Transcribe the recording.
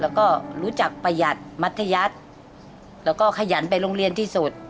แล้วก็รู้จักประหยัดมัธยัติแล้วก็ขยันไปโรงเรียนที่สุด